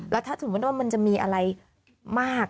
แล้วถ้าสมมุติว่ามันจะมีอะไรมาก